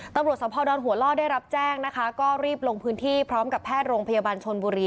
สะพอดอนหัวล่อได้รับแจ้งนะคะก็รีบลงพื้นที่พร้อมกับแพทย์โรงพยาบาลชนบุรี